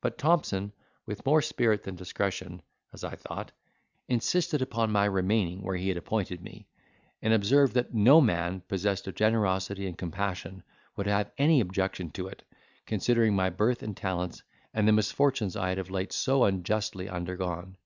But Thompson, with more spirit than discretion (as I thought), insisted upon my remaining where he had appointed me; and observed that no man, possessed of generosity and compassion, would have any objection to it, considering my birth and talents, and the misfortunes I had of late so unjustly undergone.